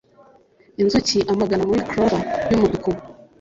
inzuki amagana muri clover yumutuku,